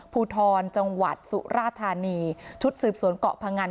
ภูทรจังหวัดสุราธานีชุดสืบสวนเกาะพงัน